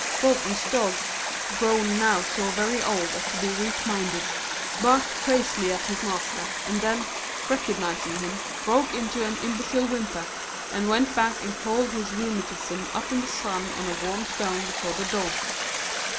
Bolton's dog, grown now so very old as to be weak minded, barked crazily at his master, and then, recognising him, broke into an imbecile whimper, and went back and coiled his rheumatism up in the sun on a warm stone before the door.